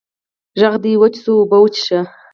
ږغ دي وچ سو، اوبه وڅيښه!